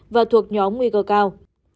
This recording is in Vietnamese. và thuộc nhóm nguy cơ cao